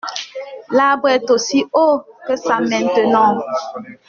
L’arbre est aussi haut que ça maintenant.